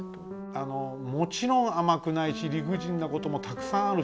あのもちろん甘くないし理不尽なこともたくさんあるし。